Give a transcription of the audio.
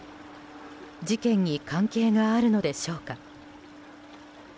事件に関係があるのでしょうか。